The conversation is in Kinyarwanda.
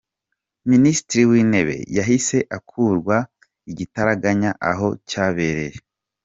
Minisitiri w'intebe yahise akurwa igitaraganya aho cyabereye.